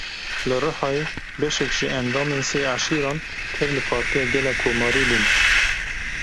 Li Rihayê beşek ji endamên sê eşîran tevlî Partiya Gel a Komarî bûn.